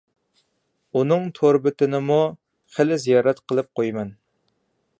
ئۇنىڭ تور بېتىنىمۇ خىلى زىيارەت قىلىپ قويىمەن.